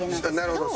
なるほど。